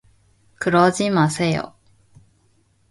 그러지 마세요.